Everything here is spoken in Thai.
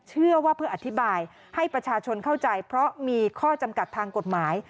เชื่อว่าเพื่ออธิบายให้ประชาชนเข้าใจเพราะมีข้อจำกัดทางกฎหมาย